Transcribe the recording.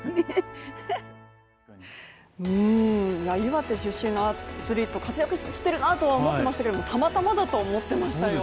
岩手出身のアスリート活躍してるなと思っていましたがたまたまだと思ってましたよ。